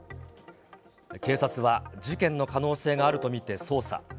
警察は事件の可能性があると見て捜査。